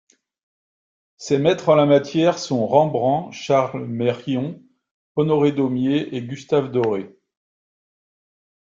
Ses maîtres en la matière sont Rembrandt, Charles Meryon, Honoré Daumier et Gustave Doré.